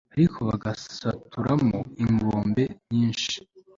ariko bakagisaturamo ingombe nyinshi